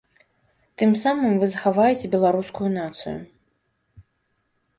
Тым самым вы захаваеце беларускую нацыю.